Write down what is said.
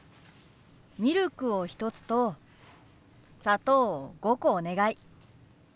ミルクを１つと砂糖を５個お願い。